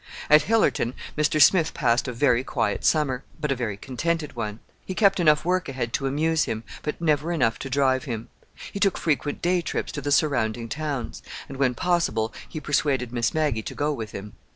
At Hillerton, Mr. Smith passed a very quiet summer, but a very contented one. He kept enough work ahead to amuse him, but never enough to drive him. He took frequent day trips to the surrounding towns, and when possible he persuaded Miss Maggie to go with him.